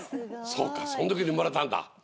そうかその時に生まれたんだ。